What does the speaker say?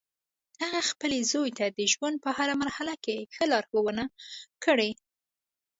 هغې خپل زوی ته د ژوند په هر مرحله کې ښه لارښوونه کړی